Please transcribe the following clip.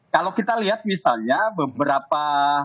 kalau kita lihat misalnya beberapa